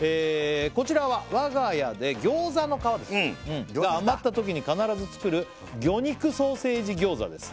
「こちらは我が家で餃子の皮が余ったときに必ず作る」「魚肉ソーセージ餃子です」